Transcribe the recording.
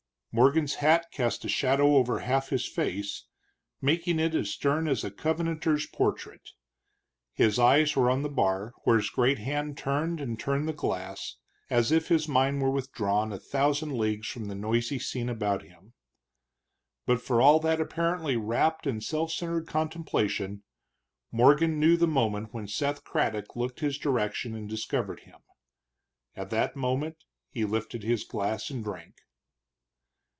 Morgan's hat cast a shadow over half his face, making it as stern as a Covenanter's portrait. His eyes were on the bar, where his great hand turned and turned the glass, as if his mind were withdrawn a thousand leagues from the noisy scene about him. But for all that apparently wrapt and self centered contemplation, Morgan knew the moment when Seth Craddock looked his direction and discovered him. At that moment he lifted his glass and drank.